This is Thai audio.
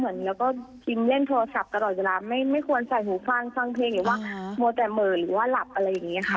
แล้วก็พิมพ์เล่นโทรศัพท์ตลอดเวลาไม่ควรใส่หูฟังเพลงหรือว่ามัวแต่เหม่อหรือว่าหลับอะไรอย่างนี้ค่ะ